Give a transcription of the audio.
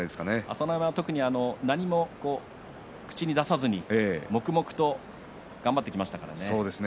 朝乃山は特に何も口に出さずに黙々と頑張ってきましたよね。